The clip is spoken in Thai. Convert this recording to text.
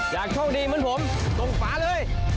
อยากโชคดีเหมือนผมตรงฝาเลย